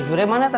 nggak ada apa apa